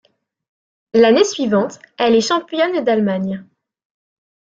L'année suivante, elle est championne d'Allemagne.